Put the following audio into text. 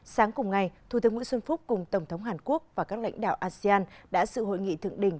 sáng cùng ngày thủ tướng nguyễn xuân phúc cùng tổng thống hàn quốc và các lãnh đạo asean đã sự hội nghị thượng đỉnh